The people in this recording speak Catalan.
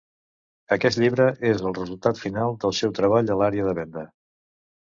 Aquest llibre és el resultat final del seu treball a l'àrea de Venda.